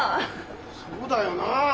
そうだよな！